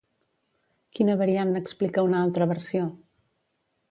Quina variant n'explica una altra versió?